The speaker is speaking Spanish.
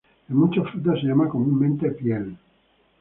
En muchas frutas se llama comúnmente piel.